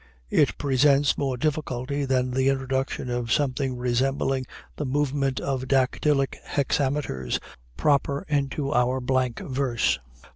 It presents more difficulty than the introduction of something resembling the movement of dactylic hexameters proper into our blank verse.